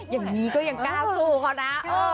อย่างนี้ก็ยังกล้าสู้เขานะ